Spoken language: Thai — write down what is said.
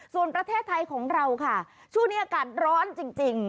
ส่วนประเทศไทยของเราค่ะช่วงนี้อากาศร้อนจริง